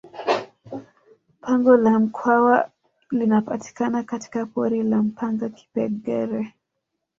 pango la mkwawa linapatikana katika pori la mpanga kipengere